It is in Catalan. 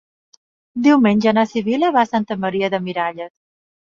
Diumenge na Sibil·la va a Santa Maria de Miralles.